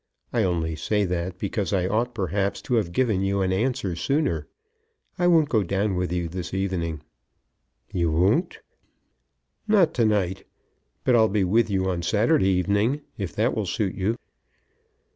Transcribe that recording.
I only say that because I ought perhaps to have given you an answer sooner. I won't go down with you this evening." "You won't?" "Not to night; but I'll be with you on Saturday evening, if that will suit you."